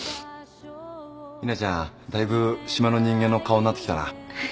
ミナちゃん大分島の人間の顔になってきたな。